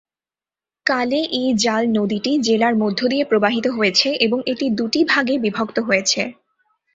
কালে-ই-জাল নদীটি জেলার মধ্য দিয়ে প্রবাহিত হয়েছে এবং এটি দুটি ভাগে বিভক্ত হয়েছে।